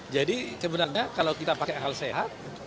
jadi sebenarnya kalau kita pakai hal sehat